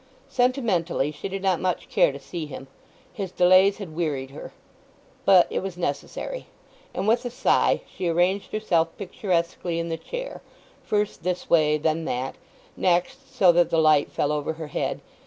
Sentimentally she did not much care to see him—his delays had wearied her, but it was necessary; and with a sigh she arranged herself picturesquely in the chair; first this way, then that; next so that the light fell over her head.